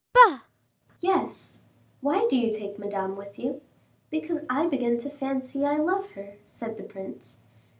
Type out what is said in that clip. "Bah!" "Yes. Why do you take Madame with you?" "Because I begin to fancy I love her," said the prince.